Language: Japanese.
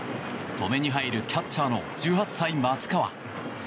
止めに入るキャッチャーの１８歳、松川。